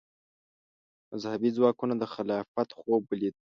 مذهبي ځواکونو د خلافت خوب ولید